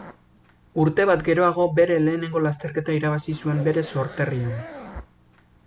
Urte bat geroago bere lehenengo lasterketa irabazi zuen bere sorterrian.